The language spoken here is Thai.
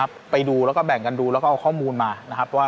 เราไม่มีพวกมันเกี่ยวกับพวกเราแต่เราไม่มีพวกมันเกี่ยวกับพวกเรา